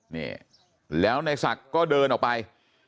นี่แล้วในศักดิ์ก็เดินออกไป